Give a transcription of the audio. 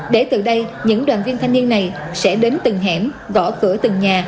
để từ đây những đoàn viên thanh niên này sẽ đến từng hẻm gõ cửa từng nhà